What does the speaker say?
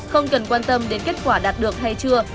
không cần quan tâm đến kết quả đạt được hay chưa